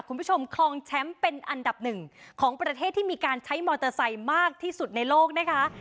คลองแชมป์เป็นอันดับหนึ่งของประเทศที่มีการใช้มอเตอร์ไซค์มากที่สุดในโลกนะคะ